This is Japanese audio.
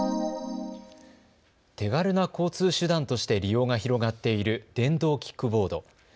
手軽な交通手段として利用が広がっている電動キックボード。